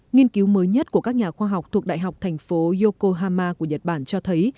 nghiên cứu mới nhất của các nhà khoa học thuộc đại học thành phố yokohama của nhật bản cho thấy